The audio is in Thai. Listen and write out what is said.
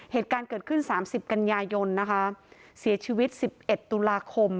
เหตุการณ์เกิดขึ้นสามสิบกันยายนนะคะเสียชีวิต๑๑ตุลาคม